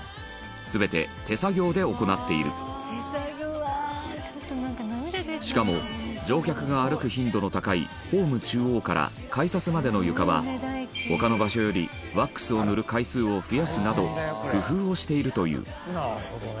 全て手作業で行っているしかも、乗客が歩く頻度の高いホーム中央から改札までの床は他の場所よりワックスを塗る回数を増やすなど工夫をしているという石原：なるほどね。